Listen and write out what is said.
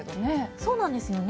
そうなんですよね。